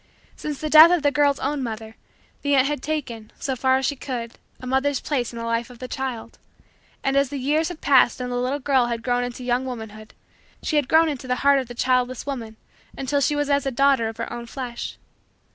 Since the death of the girl's own mother, the aunt had taken, so far as she could, a mother's place in the life of the child; and, as the years had passed and the little girl had grown into young womanhood, she had grown into the heart of the childless woman until she was as a daughter of her own flesh.